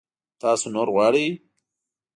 تاسو نور غواړئ؟